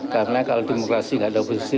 karena kalau demokrasi tidak ada oposisi